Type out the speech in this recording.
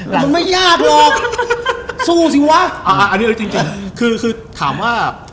รับปิดรายการเลยก็ด้วย